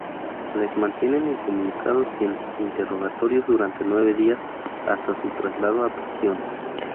Les mantienen incomunicados y en interrogatorios durante nueve días hasta su traslado a prisión.